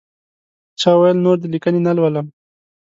چا ویل نور دې لیکنې نه لولم.